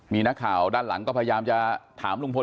มีนักข่าวด้านหลังก็พยายามจะถามลุงพล